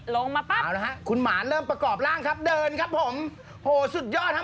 ต้องชะลอตัวกันหมดมันก็รถมันก็ติดขัดในระดับหนึ่งอ่ะ